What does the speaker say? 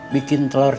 bikin telur ceplok